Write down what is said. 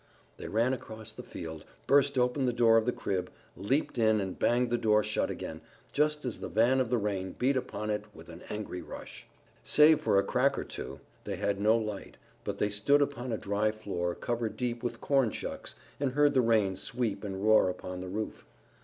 They ran across the field, burst open the door of the crib, leaped in and banged the door shut again, just as the van of the rain beat upon it with an angry rush. Save for a crack or two they had no light, but they stood upon a dry floor covered deep with corn shucks, and heard the rain sweep and roar upon the roof.